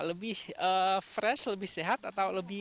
lebih fresh lebih sehat atau lebih